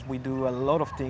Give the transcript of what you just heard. kita melakukan banyak hal